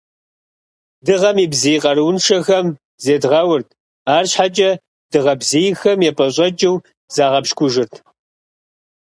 Дыгъэм и бзий къарууншэхэм зедгъэурт, арщхьэкӀэ дыгъэ бзийхэм епӀэщӀэкӀыу загъэпщкӀужырт.